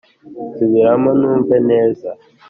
subiramo, numve neza! "